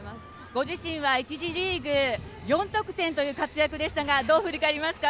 ご自身は１次リーグ４得点という活躍でしたがどう振り返りますか